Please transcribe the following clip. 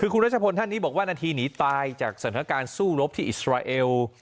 คือคุณรัชพลท่านนี้บอกว่านาทีหนีตายจากสถานการณ์สู้รบที่อิสราเอล